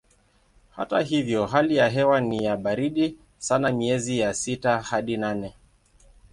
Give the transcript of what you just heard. Hata hivyo hali ya hewa ni ya baridi sana miezi ya sita hadi nane.